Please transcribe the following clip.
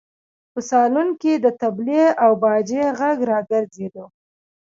په سالون کې د تبلې او باجې غږ راګرځېده.